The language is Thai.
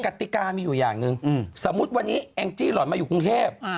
กติกามีอยู่อย่างหนึ่งสมมุติวันนี้แองจี้หล่อนมาอยู่กรุงเทพ